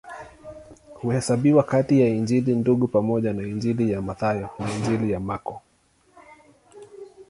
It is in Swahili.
Huhesabiwa kati ya Injili Ndugu pamoja na Injili ya Mathayo na Injili ya Marko.